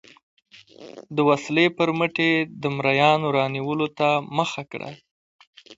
د وسلې پر مټ یې د مریانو رانیولو ته مخه کړه.